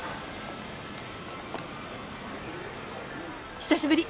「久しぶり！